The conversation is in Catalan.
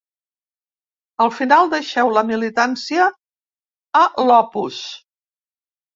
Al final deixeu la militància a l'Opus.